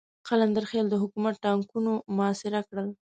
قلندر خېل د حکومت ټانګونو محاصره کړ.